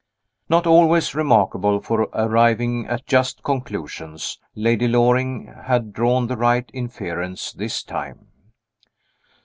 NOT always remarkable for arriving at just conclusions, Lady Loring had drawn the right inference this time.